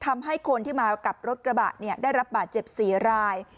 ทำให้คนที่มากับรถกระบะได้รับบาดเจ็บ๔ราย